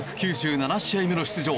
今日で１９９７試合目の出場。